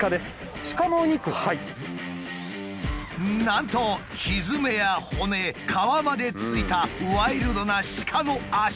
なんとひづめや骨皮までついたワイルドな鹿の脚！